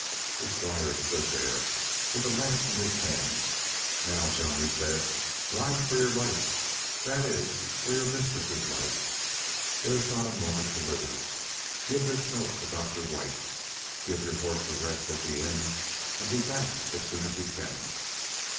The Squire stood there, with a lamp in his hand. "Now, John," he said, "ride for your life that is, for your mistress' life; there is not a moment to lose. Give this note to Dr. White; give your horse a rest at the inn, and be back as soon as you can."